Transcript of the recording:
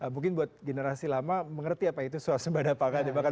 mungkin buat generasi lama mengerti apa itu sosok pendapatan pemerintahan